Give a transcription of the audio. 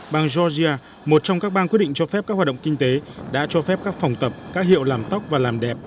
bang georgia một trong các bang quyết định cho phép các hoạt động kinh tế đã cho phép các phòng tập các hiệu làm tóc và làm đẹp